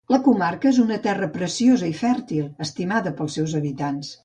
La Comarca és una terra preciosa i fèrtil, estimada pels seus habitants.